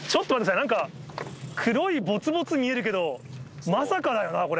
なんか黒いぼつぼつ見えるけど、まさかだよな、これ。